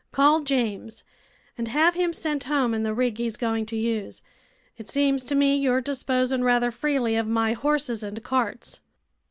Call James and have him sent home in the rig he's going to use. It seems to me you're disposing rather freely of my horses and carts."